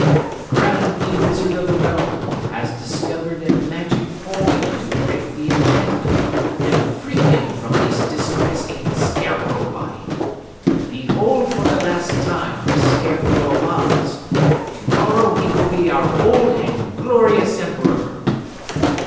The Grand Gheewizard of the realm has discovered a magic formula to break the enchantment and free him from this distressing Scarecrow body. Behold for the last the Scarecrow of Oz. Tomorrow he will be our old and glorious Emperor!"